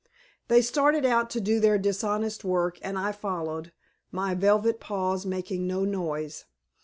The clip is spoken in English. They started out to do their dishonest work and I followed, my velvet paws making no noise.